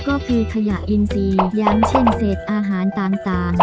ก็คือขยะอินทรีย์อย่างเช่นเสร็จอาหารต่าง